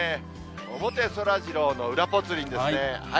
表そらジローの裏ぽつリンですね。